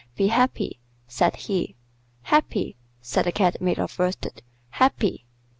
"Be happy!" said he. "Happy!" said the Cat made of worsted. "Happy!"